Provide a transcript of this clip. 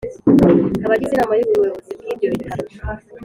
Abagize inama y ubuyobozi bw’ibyo bitaro